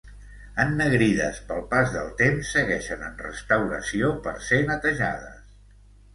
Ennegrides pel pas del temps segueixen en restauració per ser netejades.